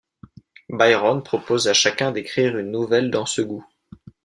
Byron propose à chacun d’écrire une nouvelle dans ce goût.